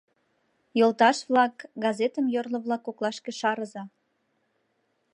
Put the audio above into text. Йолташ-влак, газетым йорло-влак коклашке шарыза!